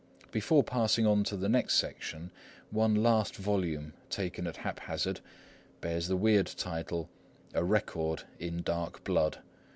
Before passing on to the next section, one last volume, taken at haphazard, bears the weird title, A Record in Dark Blood.